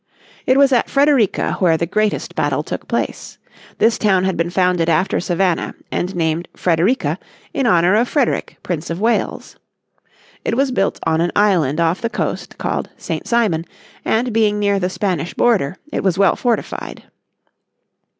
It was at Frederica where the greatest battle took place. This town had been founded after Savannah and named Frederica, in honour of Frederick, Prince of Wales. It was built on an island off the coast called St. Simon, and, being near the Spanish border, it was well fortified.